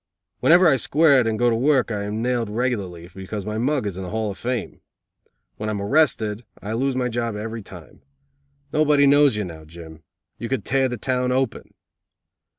Whenever I square it and go to work I am nailed regularly, because my mug is in the Hall of Fame. When I am arrested, I lose my job every time. Nobody knows you now, Jim. You could tear the town open."